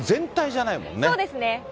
そうですね。